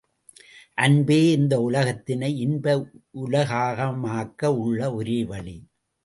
அன்பே இந்த உலகத்தினை இன்ப உலகமாக்க உள்ள ஒரே வழி!